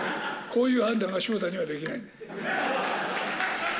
こういう判断が昇太にはできない。